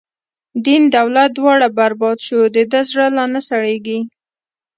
دین دولت دواړه بر باد شو، د ده زړه لا نه سړیږی